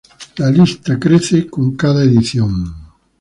La lista crece con cada edición.